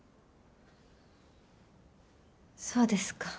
そうですか。